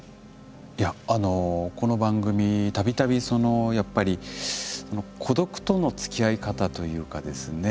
いやこの番組度々そのやっぱり孤独とのつきあい方というかですね